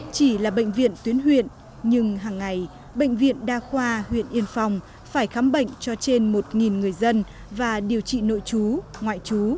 chỉ là bệnh viện tuyến huyện nhưng hằng ngày bệnh viện đa khoa huyện yên phong phải khám bệnh cho trên một người dân và điều trị nội chú